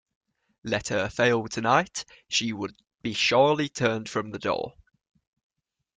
Let her fail tonight, she would be surely turned from the door.